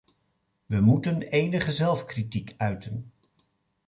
We moeten enige zelfkritiek uiten.